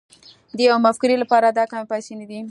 د يوې مفکورې لپاره دا کمې پيسې نه دي.